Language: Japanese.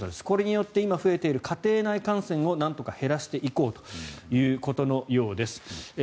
これによって今増えている家庭内感染をなんとか減らしていこうということのようです。